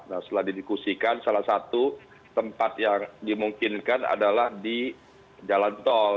nah setelah didikusikan salah satu tempat yang dimungkinkan adalah di jalan tol